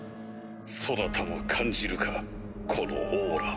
そなたも感じるかこのオーラ。